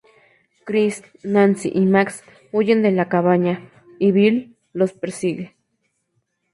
Chris, Nancy y Max huyen de la cabaña, y Billy los persigue.